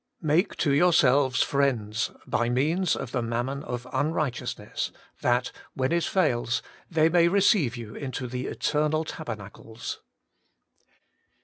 ' Make to your selves friends by means of the mammon of unrighteousness, that, when it fails, they may receive you into the eternal taber nacles.'